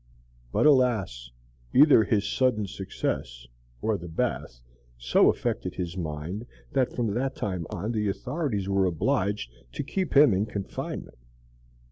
But alas! either his sudden success or the bath so affected his mind, that from that time on the authorities were obliged to keep him in confinement.